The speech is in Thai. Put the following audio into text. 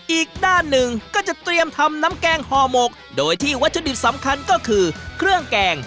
อีกด้านหนึ่งก็จะเตรียมทำน้ำแกงห่อหมกโดยที่วัตถุดิบสำคัญก็คือเครื่องแกง